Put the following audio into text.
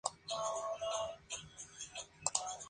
El Dunkerque se hundió al lado del muelle de amarre.